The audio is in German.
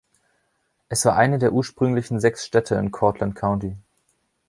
Es war eine der ursprünglichen sechs Städte in Cortland County.